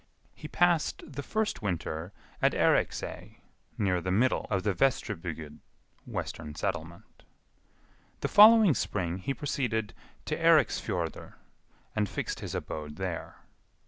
He passed the first winter at Eiriksey, near the middle, of the Vestribygd (western settlement). The following spring he proceeded to Eiriksfjordr, and fixed his abode there.